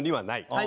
はい。